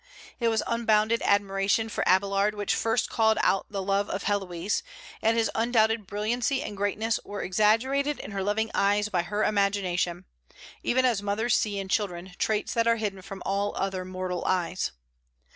It was unbounded admiration for Abélard which first called out the love of Héloïse; and his undoubted brilliancy and greatness were exaggerated in her loving eyes by her imagination, even as mothers see in children traits that are hidden from all other mortal eyes.